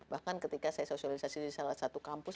bahkan ketika saya sosialisasi di salah satu kampus